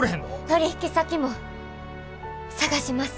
取引先も探します！